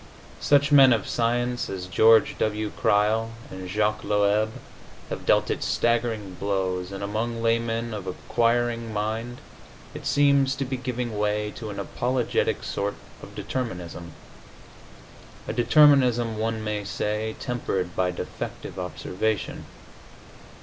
Such men of science as George W. Crile and Jacques Loeb have dealt it staggering blows, and among laymen of inquiring mind it seems to be giving way to an apologetic sort of determinism a determinism, one may say, tempered by defective observation.